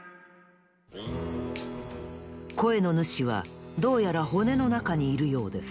こえのぬしはどうやら骨のなかにいるようです。